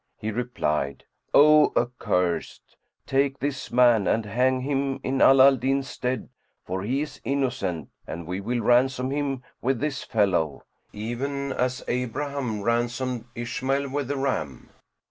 He replied, "O accursed, take this man and hang him in Ala al Din's stead; for he is innocent and we will ransom him with this fellow, even as Abraham ransomed Ishmael with the ram."